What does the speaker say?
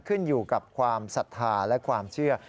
ขึ้นอยู่กับความศรัทธาและความเชื่อ